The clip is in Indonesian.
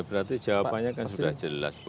ya berarti jawabannya kan sudah jelas